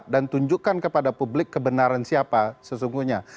dan tunjukkan kepada publik kebenaran siapa sesungguhnya